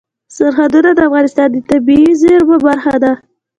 سرحدونه د افغانستان د طبیعي زیرمو برخه ده.